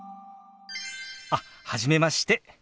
あっ初めまして。